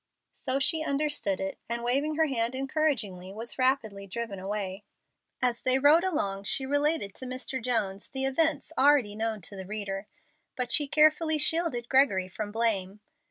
So she understood it, and waving her hand encouragingly, was rapidly driven away. As they rode along she related to Mr. Jones the events already known to the reader, but carefully shielded Gregory from blame.